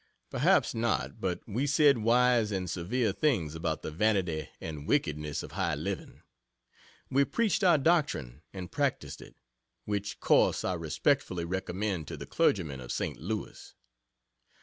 Perhaps not. But we said wise and severe things about the vanity and wickedness of high living. We preached our doctrine and practised it. Which course I respectfully recommend to the clergymen of St. Louis.